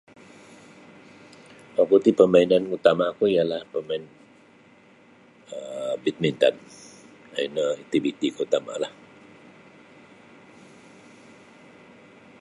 Oku ti pamainan utama ku ialah bamain um badminton um ino aktiviti ku utamalah.